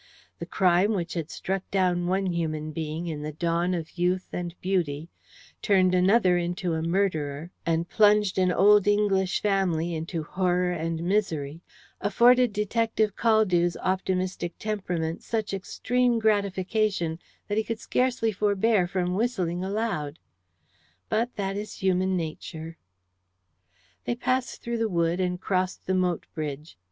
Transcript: The crime which had struck down one human being in the dawn of youth and beauty, turned another into a murderer, and plunged an old English family into horror and misery, afforded Detective Caldew's optimistic temperament such extreme gratification that he could scarcely forbear from whistling aloud. But that is human nature. They passed through the wood, and crossed the moat bridge.